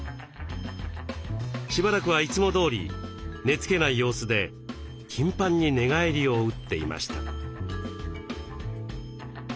しばらくはいつもどおり寝つけない様子で頻繁に寝返りを打っていました。